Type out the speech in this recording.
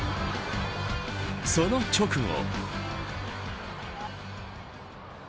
その直後。